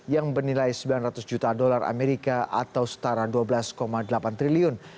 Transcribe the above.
yang bernilai sembilan ratus juta dolar amerika atau setara dua belas delapan triliun